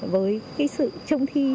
với sự trông thi